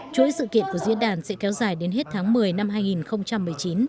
chuỗi sự kiện của diễn đàn sẽ kéo dài đến hết tháng một mươi năm hai nghìn một mươi chín